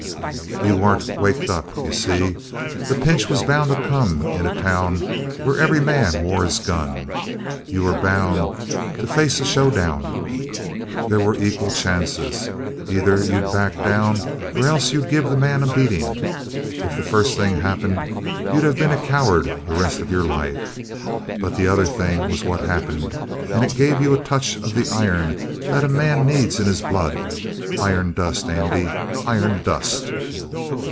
"You weren't waked up. You see? The pinch was bound to come in a town where every man wore his gun. You were bound to face a show down. There were equal chances. Either you'd back down or else you'd give the man a beating. If the first thing happened, you'd have been a coward the rest of your life. But the other thing was what happened, and it gave you a touch of the iron that a man needs in his blood. Iron dust, Andy, iron dust!